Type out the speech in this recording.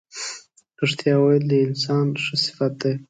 رښتیا ویل د انسان ښه صفت دی.